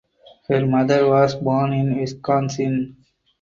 Her mother was born in Wisconsin.